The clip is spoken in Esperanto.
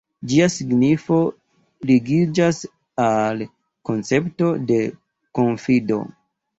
Ĝia signifo ligiĝas al koncepto de konfido.